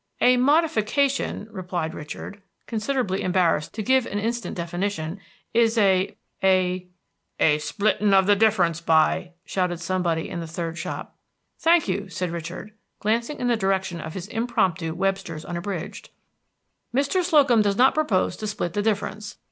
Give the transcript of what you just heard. "A modification," replied Richard, considerably embarrassed to give an instant definition, "is a a" "A splitting of the difference, by !" shouted somebody in the third shop. "Thank you," said Richard, glancing in the direction of his impromptu Webster's Unabridged. "Mr. Slocum does not propose to split the difference.